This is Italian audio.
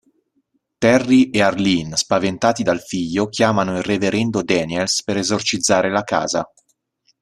Terry e Arlene spaventati dal figlio chiamano il reverendo Daniels per esorcizzare la casa.